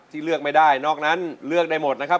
เลือกไม่ได้นอกนั้นเลือกได้หมดนะครับ